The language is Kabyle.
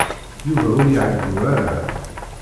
Yuba ur iɛeyyu ara.